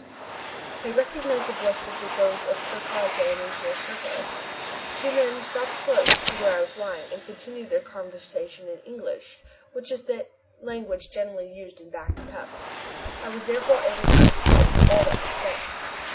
I recognized the voices as those of Ker Karraje and Engineer Serko. The two men stopped close to where I was lying, and continued their conversation in English which is the language generally used in Back Cup. I was therefore able to understand all that they said.